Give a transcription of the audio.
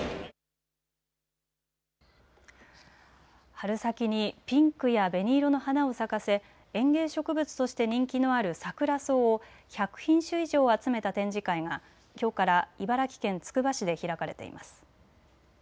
春先にピンクや紅色の花を咲かせ園芸植物として人気のあるサクラソウを１００品種以上集めた展示会がきょうから茨城県つくば市で開かれています。